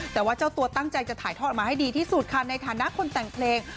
แต่ว่าเจ้าตัวตั้งใจจะถ่ายทอดออกมาให้ดีที่สุดค่ะในฐานะคนแต่งเพลง